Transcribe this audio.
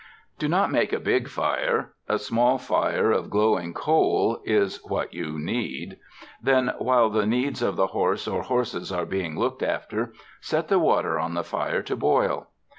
Do not make a big fire — a small fire of glowing coal is what you need. Then while the needs of the horse or horses are being looked after, set the water on the fire to boil.